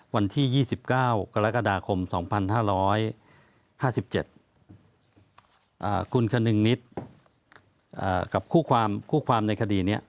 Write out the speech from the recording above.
วันที่๒๙กรกฎาคม๒๕๕๗คุณคนึงนิดกับคู่ความในคดีนี้